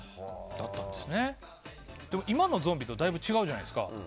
今のゾンビとだいぶ違うじゃないですか。